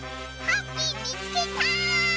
ハッピーみつけた！